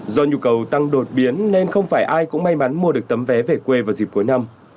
do nhu cầu tăng đột biến nên không phải ai cũng may mắn mua được tấm vé về quê vào dịp cuối năm